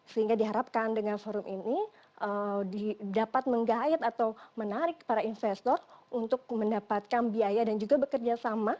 sehingga diharapkan dengan forum ini dapat menggayat atau menarik para investor untuk mendapatkan biaya dan juga bekerja sama